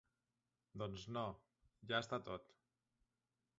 Doncs no, ja està tot.